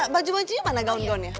baju bajunya mana gaun gaunnya